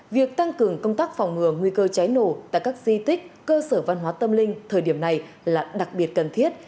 việc tăng cường công tác phòng ngừa nguy cơ cháy nổ tại các di tích cơ sở văn hóa tâm linh thời điểm này là đặc biệt cần thiết